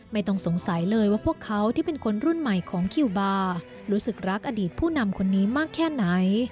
ไม่ต้องสงสัยเลยว่าพวกเขาที่เป็นคนรุ่นใหม่ของคิวบาร์รู้สึกรักอดีตผู้นำคนนี้มากแค่ไหน